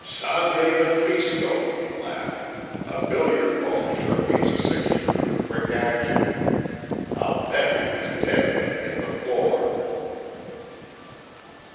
"Sangre de Cristo!" he laughed. "A billiard ball sure beats a six shooter for quick action. I'll bet he was dead when he hit the floor."